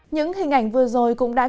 những hình ảnh vừa rồi cũng đã xảy ra